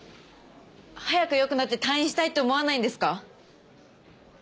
早くよくなって退院したいって思わないんですか？